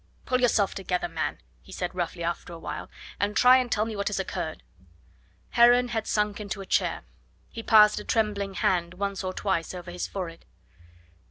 "Pull yourself together, man," he said roughly after a while, "and try and tell me what has occurred." Heron had sunk into a chair. He passed a trembling hand once or twice over his forehead.